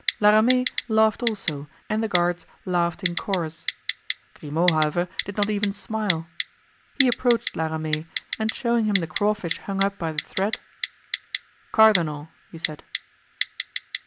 La Ramee laughed also and the guards laughed in chorus; Grimaud, however, did not even smile. He approached La Ramee and showing him the crawfish hung up by the thread: "Cardinal," he said.